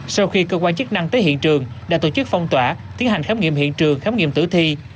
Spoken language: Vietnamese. sau khi cơ quan chức năng tới hiện trường đã tổ chức phong tỏa tiến hành khám nghiệm hiện trường khám nghiệm tử thi